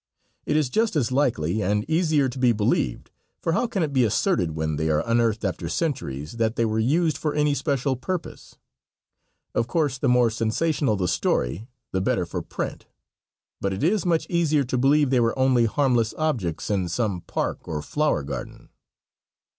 It is just as likely, and easier to be believed, for how can it be asserted, when they are unearthed after centuries, that they were used for any special purpose. Of course the more sensational the story the better for print, but it is much easier to believe they were only harmless objects in some park or flower garden.